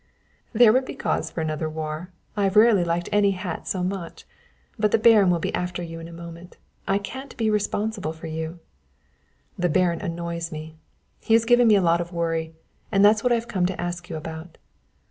"There would be cause for another war; I have rarely liked any hat so much. But the Baron will be after you in a moment. I can't be responsible for you." "The Baron annoys me. He has given me a lot of worry. And that's what I have come to ask you about."